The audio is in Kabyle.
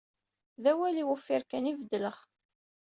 D awal-iw uffir kan i beddleɣ.